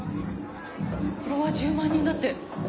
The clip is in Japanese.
フォロワー１０万人だって。